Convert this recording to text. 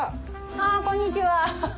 ああこんにちは。